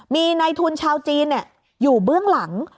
มีในทุนชาวจีนอยู่เบื้องหลัง